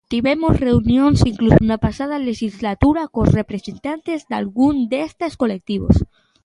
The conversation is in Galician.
Tivemos reunións incluso na pasada lexislatura cos representantes dalgún destes colectivos.